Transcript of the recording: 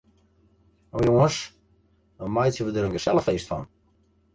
No jonges, no meitsje we der in gesellich feest fan.